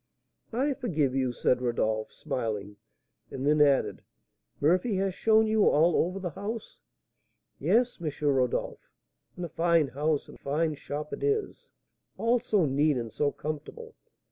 "I forgive you," said Rodolph, smiling; and then added, "Murphy has shown you all over the house?" "Yes, M. Rodolph; and a fine house and fine shop it is, all so neat and so comfortable!